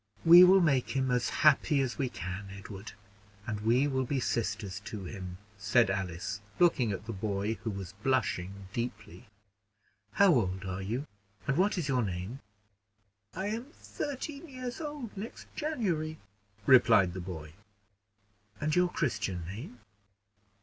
"We will make him as happy as we can, Edward; and we will be sisters to him," said Alice, looking at the boy, who was blushing deeply. "How old are you, and what is your name?" "I shall be thirteen years old next January," replied the boy. "And your Christian name?"